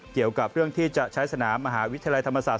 เกี่ยวกับเรื่องที่จะใช้สนามมหาวิทยาลัยธรรมศาส